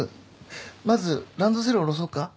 まずランドセル下ろそうか。